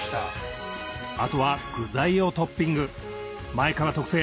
あとは具材をトッピング前川特製